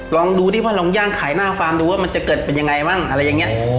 ลองดูดิว่าลองย่างขายหน้าฟาร์มดูว่ามันจะเกิดเป็นยังไงบ้างอะไรอย่างนี้